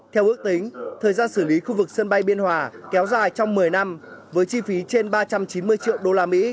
theo ước tính thời gian xử lý khu vực sân bay biên hòa kéo dài trong một mươi năm với chi phí trên ba trăm chín mươi triệu usd